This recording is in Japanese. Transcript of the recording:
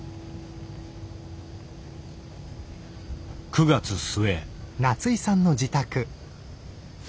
９月末。